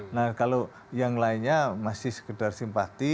nah kalau yang lainnya masih sekedar simpati